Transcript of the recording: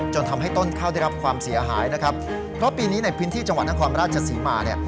จนทำให้ต้นข้าวได้รับความเสียหายนะครับเพราะปีนี้ในพื้นที่จังหวัดนครราชศรีมาเนี่ย